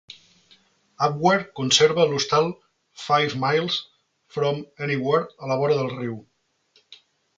Upware conserva l"hostal Five Miles from Anywhere a la vora del riu.